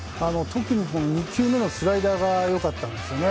特に２球目のスライダーが良かったんですね。